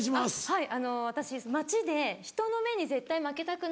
はい。